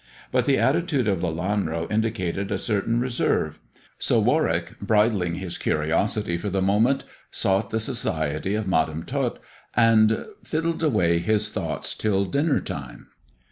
But the attitude of Lelanro indicated a certain reserve ; so Warwick, bridling his curiosity for the moment, sought the society of Madam Tot, and fiddled away his thoughts till dinner time.